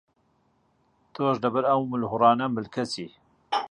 تۆش لەبەر ئەو ملهوڕانە ملکەچی؟